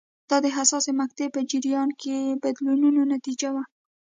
دا د حساسې مقطعې په جریان کې بدلونونو نتیجه وه.